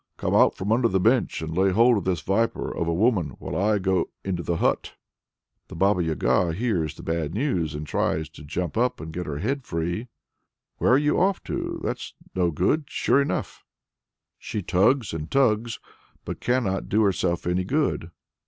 Come out from under the bench, and lay hold of this viper of a woman, while I go into the hut!" The Baba Yaga hears the bad news and tries to jump up to get her head free. (Where are you off to? That's no go, sure enough!) She tugs and tugs, but cannot do herself any good!